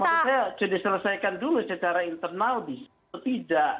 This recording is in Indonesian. kalau misalnya diselesaikan dulu secara internal bisa atau tidak